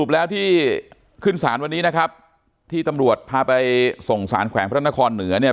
แล้วที่ขึ้นสารวันนี้นะครับที่ตำรวจพาไปส่งสารแขวงพระนครเหนือเนี่ย